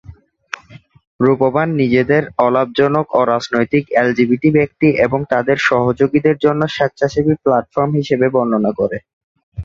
রূপবান নিজেদের "অলাভজনক, অ-রাজনৈতিক, এলজিবিটি ব্যক্তি এবং তাদের সহযোগীদের জন্য স্বেচ্ছাসেবী প্ল্যাটফর্ম" হিসাবে বর্ণনা করে।